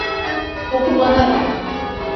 Topu bana ver.